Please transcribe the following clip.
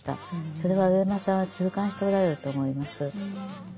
それは上間さんは痛感しておられると思います。